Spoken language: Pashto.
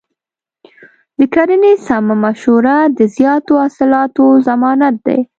د کرنې سمه مشوره د زیاتو حاصلاتو ضمانت دی.